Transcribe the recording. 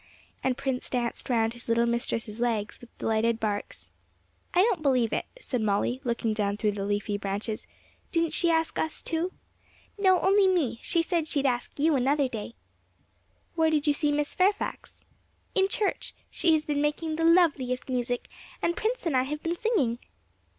And Prince danced round his little mistress's legs with delighted barks. 'I don't believe it,' said Molly, looking down through the leafy branches; 'didn't she ask us too?' 'No, only me; she said she'd ask you another day.' 'Where did you see Miss Fairfax?' 'In church; she has been making the loveliest music, and Prince and I have been singing.'